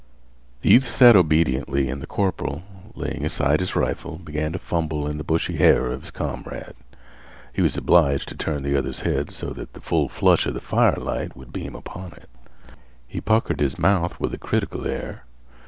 The youth sat obediently and the corporal, laying aside his rifle, began to fumble in the bushy hair of his comrade. He was obliged to turn the other's head so that the full flush of the fire light would beam upon it. He puckered his mouth with a critical air.